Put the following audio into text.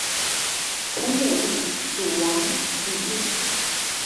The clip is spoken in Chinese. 同母弟蜀王李愔。